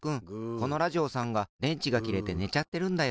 このラジオさんがでんちがきれてねちゃってるんだよ。